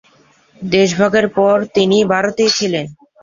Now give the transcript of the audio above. দেশভাগের পর তিনি ভারতেই ছিলেন।